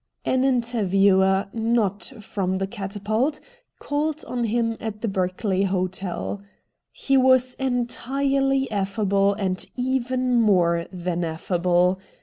An interviewer, not from the ' Catapult,' called on him at the Berkeley Hotel. He was entirely affable and even more than affable.